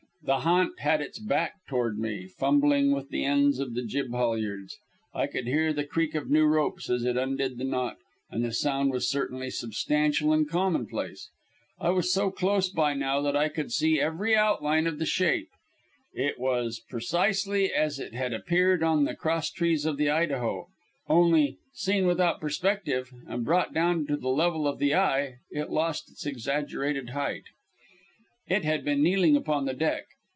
The "ha'nt" had its back toward me, fumbling with the ends of the jib halyards. I could hear the creak of new ropes as it undid the knot, and the sound was certainly substantial and commonplace. I was so close by now that I could see every outline of the shape. It was precisely as it had appeared on the crosstrees of the Idaho, only, seen without perspective, and brought down to the level of the eye, it lost its exaggerated height. It had been kneeling upon the deck.